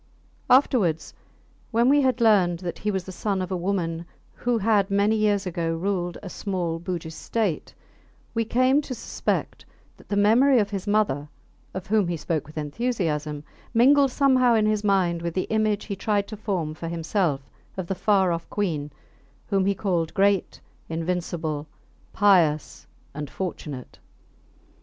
Afterwards, when we had learned that he was the son of a woman who had many years ago ruled a small Bugis state, we came to suspect that the memory of his mother (of whom he spoke with enthusiasm) mingled somehow in his mind with the image he tried to form for himself of the far off Queen whom he called Great, Invincible, Pious, and Fortunate.